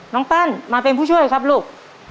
ปั้นมาเป็นผู้ช่วยครับลูก